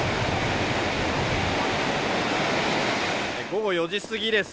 午後４時過ぎです。